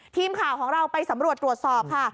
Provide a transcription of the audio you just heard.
ทีมข่าวของเราไปสำรวจตรวจสอบค่ะ